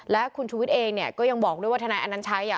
และคุณชุวิตเองเนี่ยก็ยังบอกด้วยว่าทนายอนัญชัย